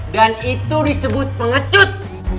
dan itu disebut pengecut